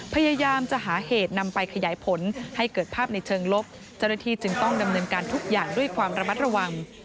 พยายามจะหาเหตุนำไปขยายผลให้เกิดภาพในเชิงลบเจ้าหน้าที่จึงต้องดำเนินการทุกอย่างด้วยความระมัดระวัง